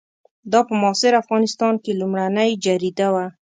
دا په معاصر افغانستان کې لومړنۍ جریده وه.